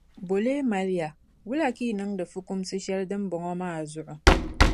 Bo n-leei mali ya, wula ka yi niŋdi fukumsi shɛli dimbɔŋɔ maa zuɣu?